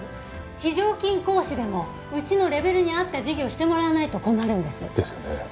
非常勤講師でもうちのレベルに合った授業をしてもらわないと困るんです。ですよね。